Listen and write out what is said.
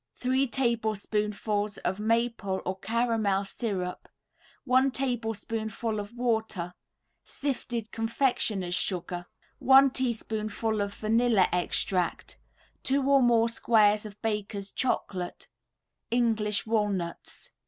] White of 1 egg, 3 tablespoonfuls of maple or caramel syrup, 1 tablespoonful of water, Sifted confectioner's sugar, 1 teaspoonful of vanilla extract, 2 or more squares of Baker's Chocolate, English walnuts.